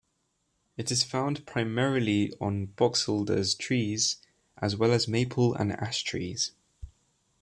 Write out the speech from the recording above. It is found primarily on boxelder trees, as well as maple and ash trees.